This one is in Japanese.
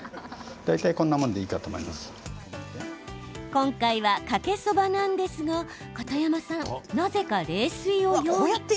今回は、かけそばなんですが片山さん、なぜか冷水を用意。